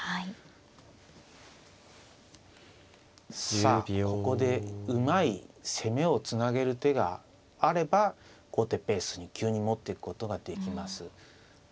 さあここでうまい攻めをつなげる手があれば後手ペースに急に持っていくことができます。